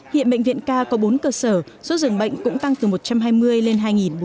hiện bệnh viện k có bốn cơ sở số dường bệnh cũng tăng từ một trăm hai mươi lên hai ba trăm linh